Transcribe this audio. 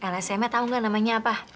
lsm nya tau gak namanya apa